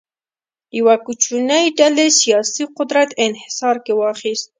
یوه کوچنۍ ډلې سیاسي قدرت انحصار کې واخیست.